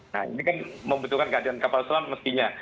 nah ini kan membutuhkan keadaan kapal selam mestinya